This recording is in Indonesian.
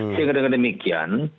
sehingga dengan demikian